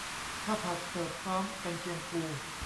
ข้าวผัดเสิร์ฟพร้อมกรรเชียงปู